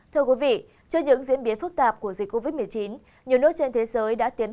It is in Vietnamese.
thưa quý vị trước những diễn biến phức tạp của dịch covid một mươi chín nhiều nước trên thế giới đã tiến